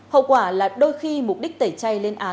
hậu quả là đôi khi mục đích tẩy chay lên án là tốt